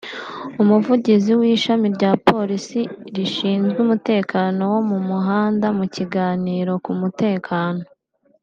Umuvugizi w’ishami rya Polisi rishinzwe umutekano wo mu muhanda mu kiganiro ku mutekano